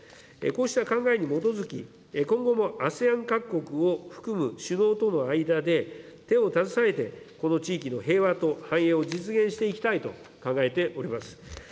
こうした考えに基づき、今後もＡＳＥＡＮ各国を含む首脳との間で手を携えて、この地域の平和と繁栄を実現していきたいと考えております。